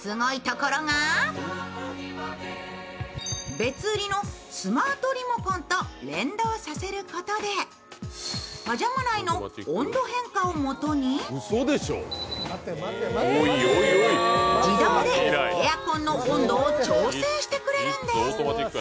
別売りのスマートリモコンと連動させることで、パジャマ内の温度変化を基に自動でエアコンの温度を調整してくれるんです。